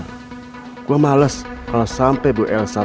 gue males kalau sampai bu elsa